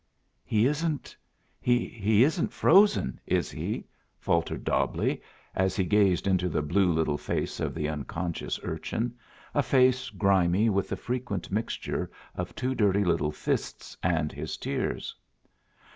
"He isn't he isn't frozen, is he?" faltered Dobbleigh, as he gazed into the blue little face of the unconscious urchin, a face grimy with the frequent mixture of two dirty little fists and his tears.